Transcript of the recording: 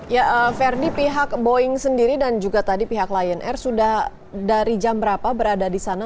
ya verdi pihak boeing sendiri dan juga tadi pihak lion air sudah dari jam berapa berada di sana